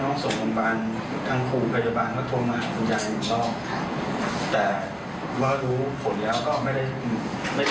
ร่วมสุดทองบอลทางคู่พยาบาลก็กลมหมาย